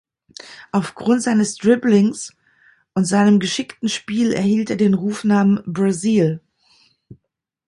Aufgrund seines Dribblings und seinem geschickten Spiel erhielt er den Rufnamen "Brazil".